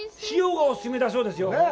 塩がお勧めだそうですよ。